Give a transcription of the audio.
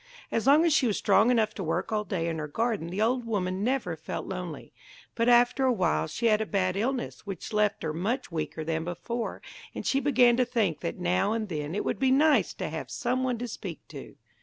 As long as she was strong enough to work all day in her garden the old woman never felt lonely, but after a while she had a bad illness, which left her much weaker than before, and she began to think that now and then it would be nice to have some one to speak to.